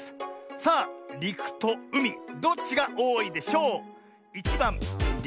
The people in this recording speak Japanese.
さありくとうみどっちがおおいでしょう？